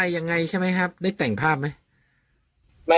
ยังไงใช่ไหมครับได้แต่งภาพไหม